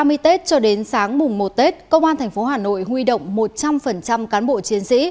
ngày ba mươi tết cho đến sáng mùng một tết công an tp hà nội huy động một trăm linh cán bộ chiến sĩ